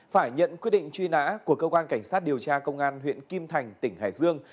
phải nhận quyết định truy nã của cơ quan cảnh sát điều tra công an huyện kim thành tỉnh hải dương